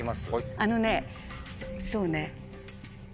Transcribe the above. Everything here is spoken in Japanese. あのねそうね。